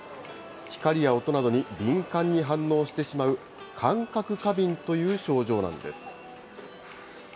光や音などに敏感に反応してしまう、感覚過敏という症状なんです。